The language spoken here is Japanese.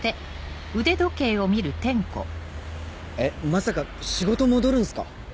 まさか仕事戻るんすか？